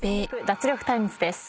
脱力タイムズ』です。